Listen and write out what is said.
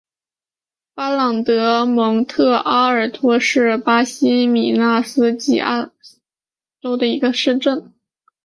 巴朗德蒙特阿尔托是巴西米纳斯吉拉斯州的一个市镇。